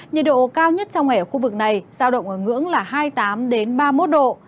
nhiệt độ cao nhất trong ngày ở khu vực này giao động ở ngưỡng là hai mươi tám ba mươi một độ